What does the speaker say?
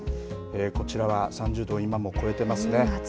こちらは３０度今も超えてますね。